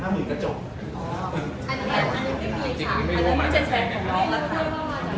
อ๋ออันนี้คือแชทของน้องและค่ะ